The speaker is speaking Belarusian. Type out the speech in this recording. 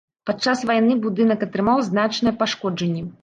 Падчас вайны будынак атрымаў значныя пашкоджанні.